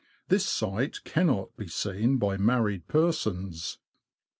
This sight cannot be seen by married persons